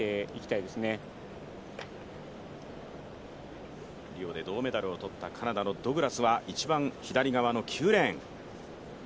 リオで銅メダルを取ったカナダのドグラスは一番左側の９レーン。